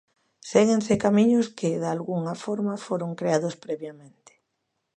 Séguense camiños que dalgunha forma foron creados previamente.